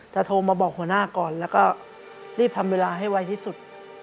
โทรมาบอกหัวหน้าก่อนแล้วก็รีบทำเวลาให้ไวที่สุด